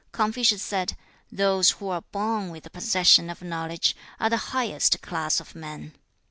Confucius said, 'Those who are born with the possession of knowledge are the highest class of men.